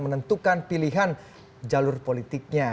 menentukan pilihan jalur politiknya